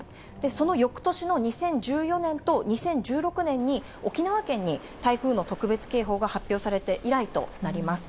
そのよくとしの２０１４年と２０１６年に、沖縄県に台風の特別警報が発表されて以来となります。